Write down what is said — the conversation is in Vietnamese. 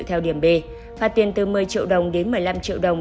theo điểm b phạt tiền từ một mươi triệu đồng đến một mươi năm triệu đồng